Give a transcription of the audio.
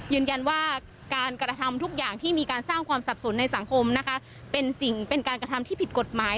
ยืนยันว่าการกระทำทุกอย่างที่มีการสร้างความสับสนในสังคมนะคะเป็นสิ่งเป็นการกระทำที่ผิดกฎหมาย